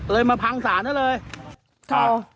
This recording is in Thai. เลยมาพังศาลนั้นเลย